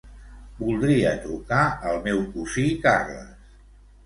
Voldria trucar al meu cosí Carles.